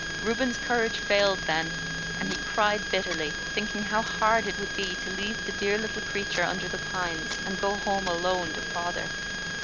Reuben's courage failed then, and he cried bitterly, thinking how hard it would be to leave the dear little creature under the pines and go home alone to father.